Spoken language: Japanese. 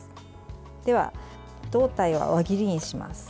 では、胴体を輪切りにします。